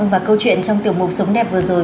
và câu chuyện trong tiểu mục sống đẹp vừa rồi